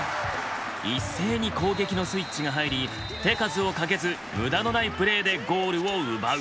一斉に攻撃のスイッチが入り手数をかけず無駄のないプレーでゴールを奪う。